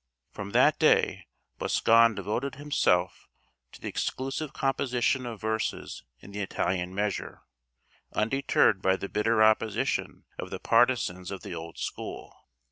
From that day Boscan devoted himself to the exclusive composition of verses in the Italian measure, undeterred by the bitter opposition of the partisans of the old school.